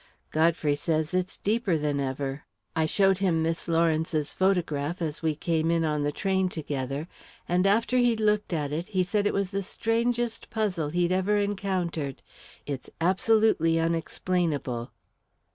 "Godfrey says it's deeper than ever. I showed him Miss Lawrence's photograph as we came in on the train together, and after he'd looked at it, he said it was the strangest puzzle he'd ever encountered. It's absolutely unexplainable."